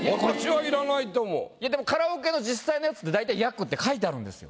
でもカラオケの実際のやつってだいたい「約」って書いてあるんですよ。